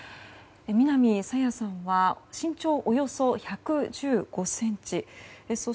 南朝芽さんは身長およそ１１５ｃｍ。